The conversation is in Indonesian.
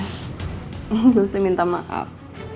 lu belum minta maaf